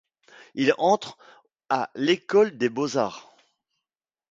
Il entre à l'École des Beaux-Arts.